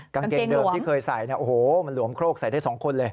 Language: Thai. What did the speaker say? กางเกงเดิมที่เคยใส่เนี่ยโอ้โหมันหลวมโครกใส่ได้๒คนเลย